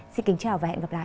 xin kính chào và hẹn gặp lại